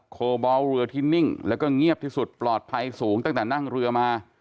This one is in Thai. โคบอลเรือที่นิ่งแล้วก็เงียบที่สุดปลอดภัยสูงตั้งแต่นั่งเรือมา